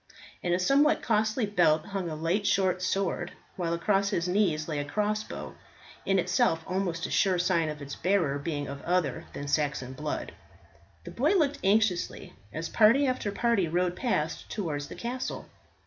In a somewhat costly belt hung a light short sword, while across his knees lay a crossbow, in itself almost a sure sign of its bearer being of other than Saxon blood. The boy looked anxiously as party after party rode past towards the castle.